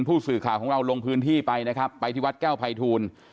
ผู้สื่อข่าวของเราลงพื้นที่ไปนะครับไปที่วัดแก้วภัยทูล